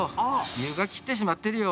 床、切ってしまってるよ。